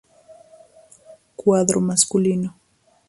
Cuadro masculino